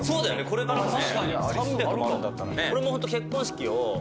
これからね